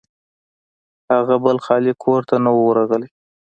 هغه بل خالي کور ته نه و ورغلی.